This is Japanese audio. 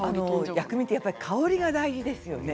薬味は香りが大事ですよね。